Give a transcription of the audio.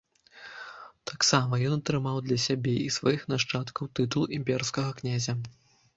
Таксама ён атрымаў для сябе і сваіх нашчадкаў тытул імперскага князя.